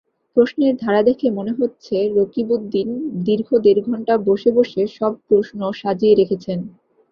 প্রশ্নের ধারা দেখে মনে হচ্ছে রকিবউদ্দিন দীর্ঘ দেড় ঘন্টা বসেবসে সব প্রশ্ন সাজিয়ে রেখেছেন।